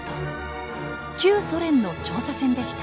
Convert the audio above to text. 旧ソ連の調査船でした。